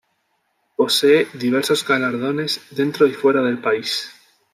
Posee diversos galardones dentro y fuera del país.